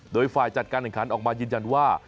โดยฝ่ายจัดการแข่งขันออกมายืนยันว่า